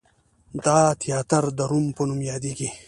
دا تیاتر د روم په نوم یادیږي.